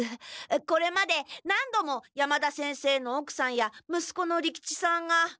これまで何度も山田先生のおくさんやむすこの利吉さんが。